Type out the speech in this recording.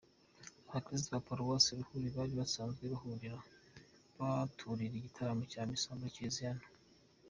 Abakristu ba Paruwasi Ruhuha bari basanzwe baturira igitambo cya misa muri Kiliziya nto.